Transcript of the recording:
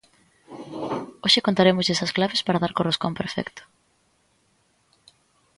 Hoxe contarémoslles as claves para dar co roscón perfecto.